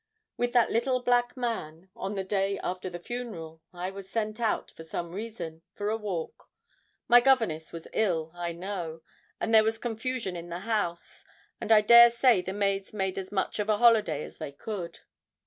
With that little black man, on the day after the funeral, I was sent out, for some reason, for a walk; my governess was ill, I know, and there was confusion in the house, and I dare say the maids made as much of a holiday as they could.